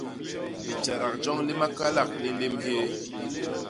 Litjadak joñ li makalak li nlém hyéé.